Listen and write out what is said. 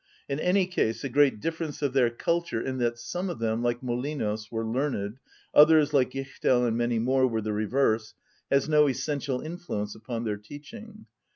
In any case, the great difference of their culture, in that some of them, like Molinos, were learned, others, like Gichtel and many more, were the reverse, has no essential influence upon their teaching.